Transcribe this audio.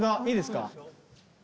いいですか。